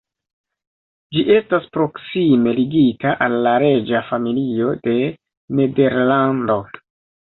Ĝi estas proksime ligita al la reĝa familio de Nederlando.